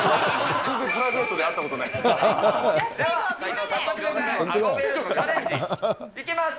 全然プライベートであったことないです。